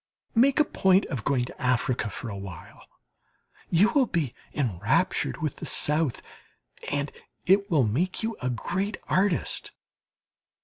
Make a point of going to Africa for a while you will be enraptured with the South, and it will make you a great artist.